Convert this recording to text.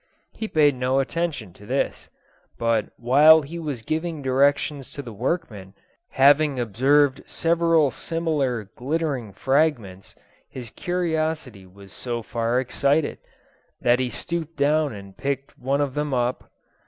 He paid no attention to this; but while he was giving directions to the workmen, having observed several similar glittering fragments, his curiosity was so far excited, that he stooped down and picked one of them up.